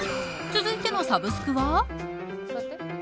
続いてのサブスクは。